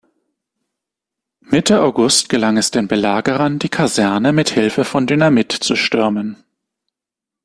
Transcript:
Mitte August gelang es den Belagerern, die Kaserne mit Hilfe von Dynamit zu stürmen.